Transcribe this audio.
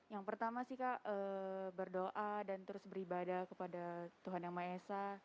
yang pertama sih kak berdoa dan terus beribadah kepada tuhan yang maha esa